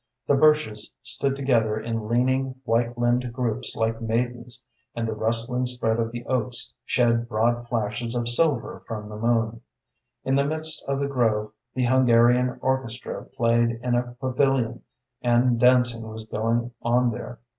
The birches stood together in leaning, white limbed groups like maidens, and the rustling spread of the oaks shed broad flashes of silver from the moon. In the midst of the grove the Hungarian orchestra played in a pavilion, and dancing was going on there.